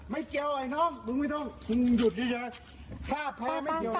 ไม่เกี่ยวไอ้น้องมึงไม่ต้องมึงหยุดดีดีกว่าข้าแพร่ไม่เกี่ยวแพร่